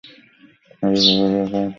এলাকাগুলি এখন খুবই জনবহুল ও অবহেলিত।